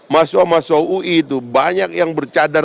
masyaw masyaw ui itu banyak yang bercadar